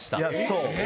そう！